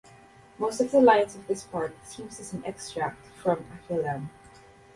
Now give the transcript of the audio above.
Most of the lines of this part seems as an extract from Akilam.